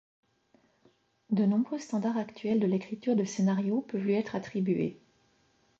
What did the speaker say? De nombreux standards actuels de l'écriture de scénario peuvent lui être attribués.